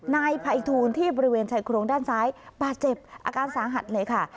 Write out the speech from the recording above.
นายภัยทูลที่บริเวณชายโครงด้านซ้ายบาดเจ็บอาการสาหัสเลยค่ะ